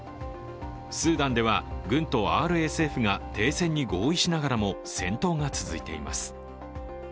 スーダンでは軍とＲＳＦが停戦に合意しながらも戦闘が続いています。